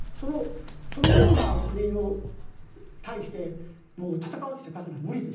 そのような国に対して戦わずして勝つのは無理です。